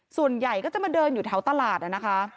ส่วนใหญ่ก็จะมาเดินอยู่แถวตลาดนะคะ